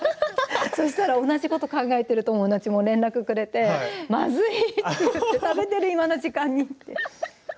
そうしたら同じことを考えている友達も連絡をくれてまずいって言って食べている、今の時間に。